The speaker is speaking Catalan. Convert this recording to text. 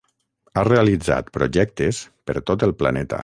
Ha realitzat projectes per tot el planeta.